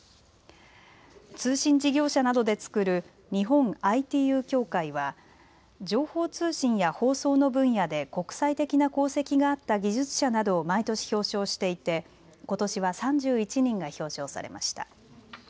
通信事業者などで作る日本ＩＴＵ協会は情報通信や放送の分野で国際的な功績があった技術者などを毎年表彰していてことしは３１人が表彰されました。